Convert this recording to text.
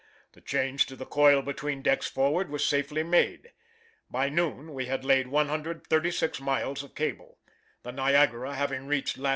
The change to the coil between decks forward was safely made. By noon we had laid 136 miles of cable, the Niagara having reached lat.